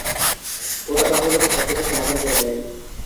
ওটা তাহলে তো সবকিছুই সমাধান করে দেয়।